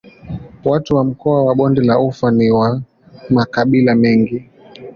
Watu wa mkoa wa Bonde la Ufa ni wa makabila mengi.